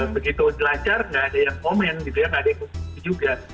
begitu lancar nggak ada yang komen gitu ya nggak ada yang positif juga